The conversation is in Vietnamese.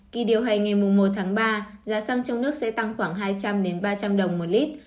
kỳ điều hành ngày một tháng ba giá xăng trong nước sẽ tăng khoảng hai trăm linh ba trăm linh đồng một lít